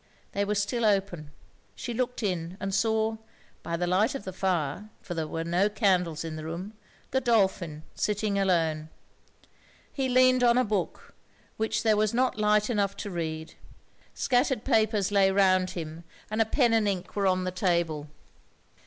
They were still open; she looked in; and saw, by the light of the fire, for there were no candles in the room, Godolphin sitting alone. He leaned on a book, which there was not light enough to read; scattered papers lay round him, and a pen and ink were on the table.